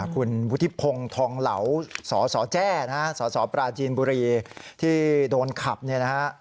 คุณวุฒิพงศ์ทองเหลาสสแจ้นะฮะสสปราจีนบุรีที่โดนขับเนี่ยนะฮะ